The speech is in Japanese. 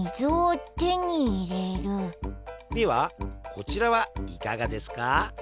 ではこちらはいかがですか？